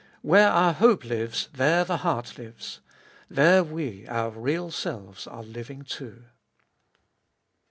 Where our hope lives there the heart lives. There we, our real selves, are living too.